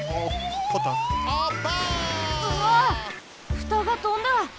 ふたがとんだ！